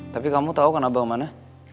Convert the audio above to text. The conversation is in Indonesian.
tapi kamu tau kan abah mana